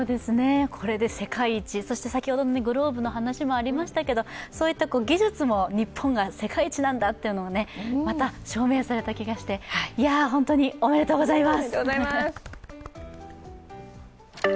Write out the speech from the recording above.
これで世界一、先ほどグローブの話もありましたけど技術も日本が世界一なんだというのがまた証明された気がして本当におめでとうございます！